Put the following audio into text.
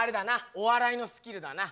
お笑いのスキルだな。